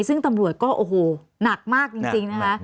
ซึ่งตำรวจก็โอ้โหหนักมากจริงนะคะ